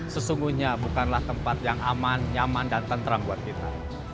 sesungguhnya bukanlah tempat yang aman nyaman dan tentram buat kita